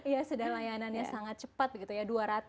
ya sudah layanannya sangat cepat begitu ya